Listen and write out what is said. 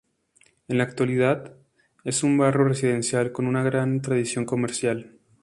En la actualidad, es un barrio residencial con una gran tradición comercial.